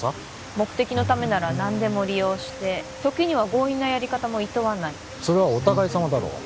目的のためなら何でも利用して時には強引なやり方もいとわないそれはお互いさまだろう